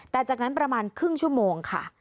แต่จากนั้นประมาณครึ่งชั่วโมงค่ะ